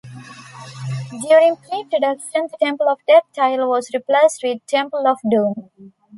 During pre-production, the "Temple of Death" title was replaced with "Temple of Doom".